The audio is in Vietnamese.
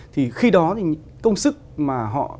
thì khi đó công sức mà họ